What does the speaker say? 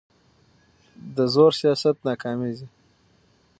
د زور سیاست ناکامېږي